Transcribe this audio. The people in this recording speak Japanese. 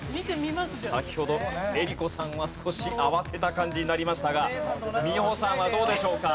先ほど江里子さんは少し慌てた感じになりましたが美穂さんはどうでしょうか？